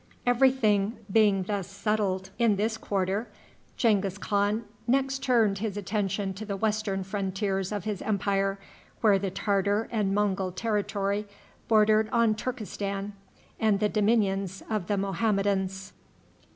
Every thing being thus settled in this quarter, Genghis Khan next turned his attention to the western frontiers of his empire, where the Tartar and Mongul territory bordered on Turkestan and the dominions of the Mohammedans.